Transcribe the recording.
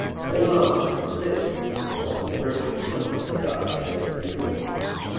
"Hold on; resist; the help of the British will come," said Dr. Shedd to the people.